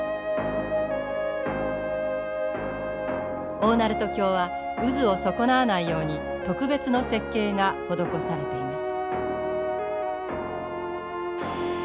大鳴門橋は渦を損なわないように特別の設計が施されています。